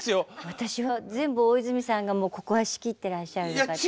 私は全部大泉さんがここは仕切ってらっしゃるのかと。